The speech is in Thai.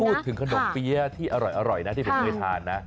พูดถึงขนมเปี๊ยะที่อร่อยนะที่ผมเคยทานนะ